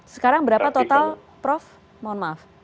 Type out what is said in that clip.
sekarang berapa total prof amin